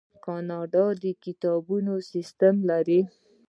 کاناډا د کتابتونونو سیستم لري.